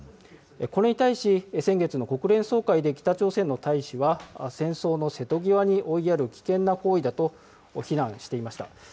これに対し、先月の国連総会で北朝鮮の大使は、戦争の瀬戸際に追いやる危険な行為だと非難していました。